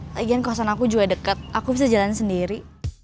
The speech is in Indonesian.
lagian kosan aku juga deket aku bisa jalan sendiri